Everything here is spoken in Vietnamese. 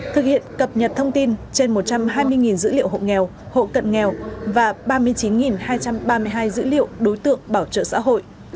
thực hiện cập nhật thông tin trên một trăm hai mươi dữ liệu hộ nghèo hộ cận nghèo và ba mươi chín hai trăm ba mươi hai dữ liệu đối tượng bảo trợ xã hội